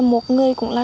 một người cũng là